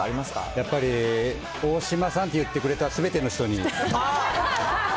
やっぱり、おおしまさんって言ってくれたすべての人に。